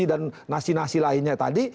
dan nasi nasi lainnya tadi